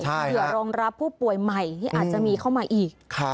เผื่อรองรับผู้ป่วยใหม่ที่อาจจะมีเข้ามาอีก